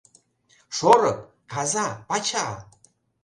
Шорык, каза, пача!..